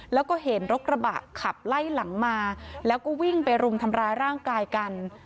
แล้วก็เห็นรถกระบะขับไล่หลังมาแล้วก็วิ่งไปรุมทำร้ายร่างกายกัน